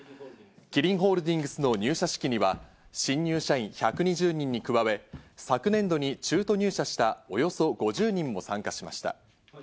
キリンホールディングスの入社式には新入社員１２０人に加え、昨年度に中途入社したおよそ５０人も参加しました。